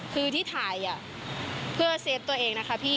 คือที่ถ่ายเพื่อเซฟตัวเองนะคะพี่